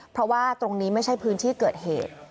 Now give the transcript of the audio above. เพราะว่าตรงนี้ไม่ใช่พื้นที่เกิดเหตุ